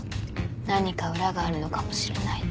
何か裏があるのかもしれないと。